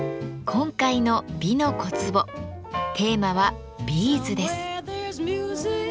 今回の「美の小壺」テーマは「ビーズ」です。